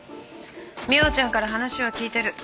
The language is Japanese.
澪ちゃんから話は聞いてる。